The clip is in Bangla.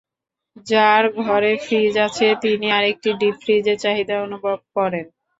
যার ঘরে ফ্রিজ আছে, তিনি আরেকটি ডিপ ফ্রিজের চাহিদা অনুভব করেন।